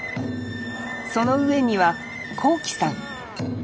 その上には昂輝さん。